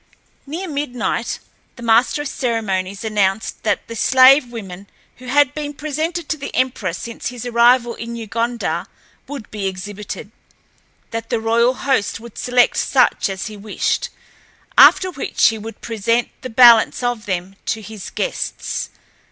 Near midnight, the master of ceremonies announced that the slave women who had been presented to the emperor since his arrival in New Gondar would be exhibited, that the royal host would select such as he wished, after which he would present the balance of them to his guests.